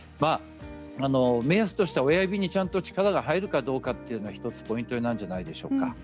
目安としては親指にちゃんと力が入るかどうかが１つポイントになるんじゃないでしょうか。